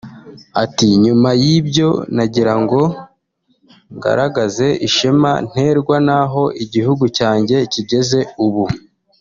Ati “ Nyuma y'ibyo nagirango ngaragaze ishema nterwa naho igihugu cyanjye kigeze ubu